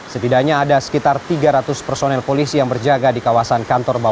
setidaknya ada sekitar tiga ratus personel polisi yang berjaga di kawasan kantor